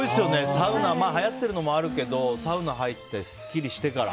サウナはやってるのもあるけどサウナ入って、すっきりしてから。